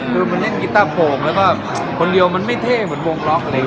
คนเล่นกิต้าโผล่งคนเดียวมันไม่เท่เหมือนวงหล็อค